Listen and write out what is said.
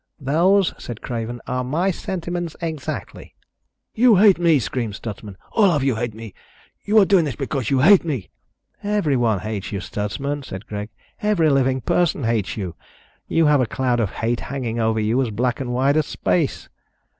"Those," said Craven, "are my sentiments exactly." "You hate me," screamed Stutsman. "All of you hate me. You are doing this because you hate me." "Everyone hates you, Stutsman," said Greg. "Every living person hates you. You have a cloud of hate hanging over you as black and wide as space."